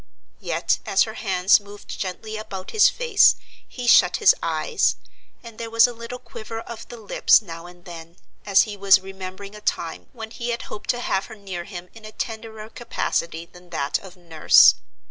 Yet as her hands moved gently about his face, he shut his eyes, and there was a little quiver of the lips now and then, as if he was remembering a time when he had hoped to have her near him in a tenderer capacity than that of nurse.